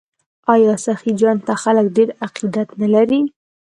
آیا سخي جان ته خلک ډیر عقیدت نلري؟